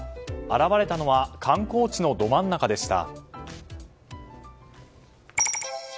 現れたのは観光地のど真ん中でした。